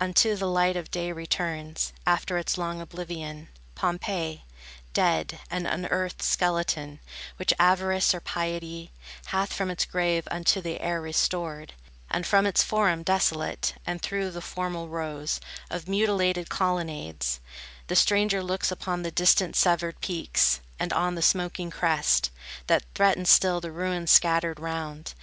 Unto the light of day returns, After its long oblivion, Pompeii, dead, an unearthed skeleton, Which avarice or piety Hath from its grave unto the air restored; And from its forum desolate, And through the formal rows Of mutilated colonnades, The stranger looks upon the distant, severed peaks, And on the smoking crest, That threatens still the ruins scattered round.